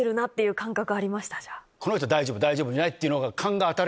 この人大丈夫大丈夫じゃないっていうのが。